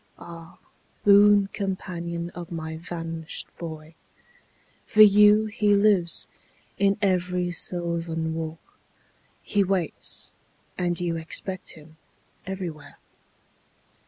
Ah, boon companion of my vanished boy. For you he lives; in every sylvan walk He waits; and you expect him everywhere.